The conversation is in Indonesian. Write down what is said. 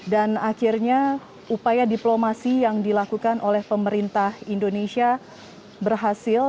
dan akhirnya upaya diplomasi yang dilakukan oleh pemerintah indonesia berhasil